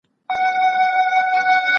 همکاري به اړيکي ښه کړي.